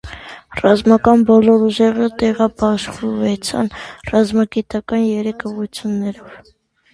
Ռազմական բոլոր ուժերը տեղաբաշխուեցան ռազմագիտական երեք ուղղութիւններով։